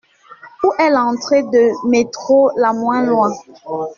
Où est l'entrée de métro la moins loin?